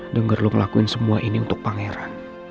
dengger lo ngelakuin semua ini untuk pangeran